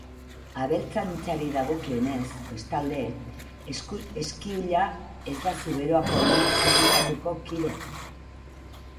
Abeltzaintzari dagokionez, bestalde, Eskiula ez da Zuberoako lur sindikatuko kide.